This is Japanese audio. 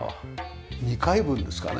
２階分ですかね